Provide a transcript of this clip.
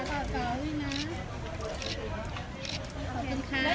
มันกำลังลงมาตรีได้